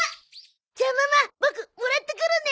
じゃあママボクもらってくるね！